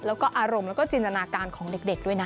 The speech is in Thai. แล้วก็อารมณ์แล้วก็จินตนาการของเด็กด้วยนะ